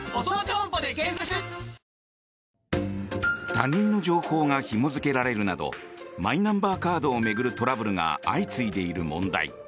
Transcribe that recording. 他人の情報がひも付けられるなどマイナンバーカードを巡るトラブルが相次いでいる問題。